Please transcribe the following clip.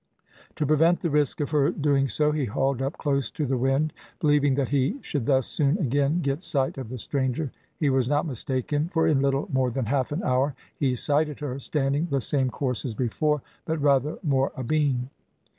To prevent the risk of her doing so he hauled up close to the wind, believing that he should thus soon again get sight of the stranger. He was not mistaken, for in little more than half an hour he sighted her, standing the same course as before, but rather more abeam.